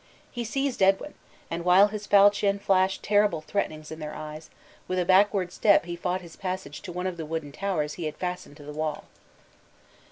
He seized Edwin; and while his falchion flashed terrible threatenings in their eyes, with a backward step he fought his passage to one of the wooden towers he had fastened to the wall.